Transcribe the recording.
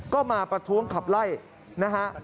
ก็มาประท้วงขับไล่นะฮะ